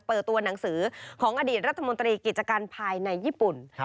ตัวหนังสือของอดีตรัฐมนตรีกิจการภายในญี่ปุ่น